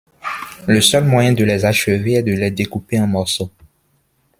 Le seul moyen de les achever est de les découper en morceaux!